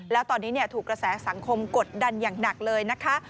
แล้วตอนนี้ถูกกระแสสังคมกดดันอย่างหนักเลยนะคะ